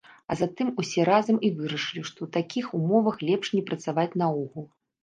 А затым усе разам і вырашылі, што ў такіх умовах лепш не працаваць наогул.